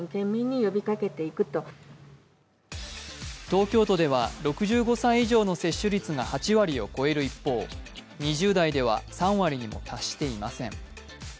東京都では６５歳以上の接種率が８割を超える一方２０代では３割にも達していません。